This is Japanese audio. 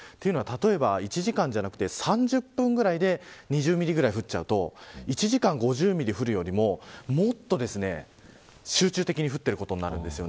例えば１時間じゃなくて３０分ぐらいで２０ミリぐらい降ると１時間５０ミリ降るよりももっと集中的に降ることになります。